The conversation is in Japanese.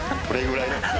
これぐらいね